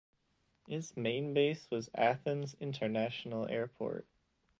Its main base was Athens International Airport.